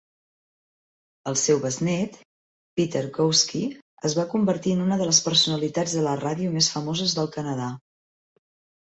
El seu besnét, Peter Gzowski, es va convertir en una de les personalitats de la ràdio més famoses del Canadà.